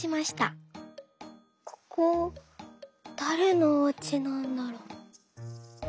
「ここだれのおうちなんだろう？」。